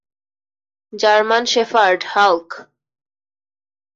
German shepherd, Hulk!